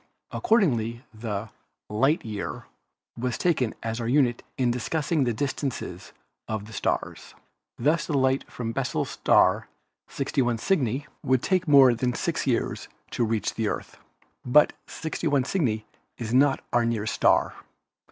Accordingly the "light year" was taken as our unit in discussing the distances of the stars. Thus the light from Bessel's star, 61 Cygni, 268 ASTRONOMY would take more than six years to reach the Earth. But 61 Cygni is not our nearest star.